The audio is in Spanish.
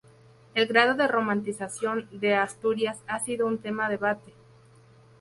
El grado de romanización de Asturias ha sido un tema debate.